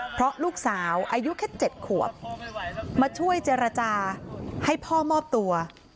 เพราะลูกสาวอายุแค่๗ขวบมาช่วยเจรจาให้พ่อมอบตัว